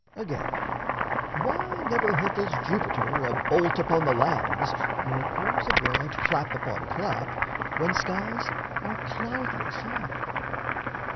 Again, why never hurtles Jupiter A bolt upon the lands nor pours abroad Clap upon clap, when skies are cloudless all?